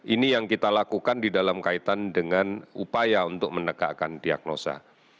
ini yang kita lakukan di dalam kaitan dengan upaya untuk menegakkan diagnosa